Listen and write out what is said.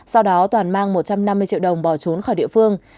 sau đó toàn mang một trăm năm mươi triệu đồng bỏ trốn khỏi địa phương